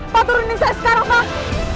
pak turunin saya sekarang pak